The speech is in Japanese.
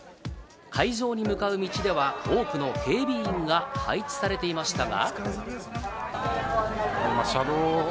会場に向かう道では多くの警備員が配置されていましたが。